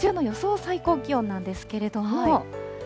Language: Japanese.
最高気温なんですけれども。